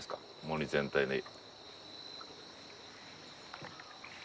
森全体に。